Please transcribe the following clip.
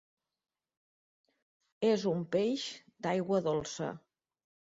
És un peix d'aigua dolça.